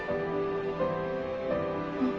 うん。